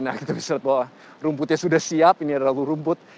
nah kita bisa lihat bahwa rumputnya sudah siap ini adalah rumput